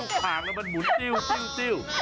ลูกข้างก็จะหมุนติ้ว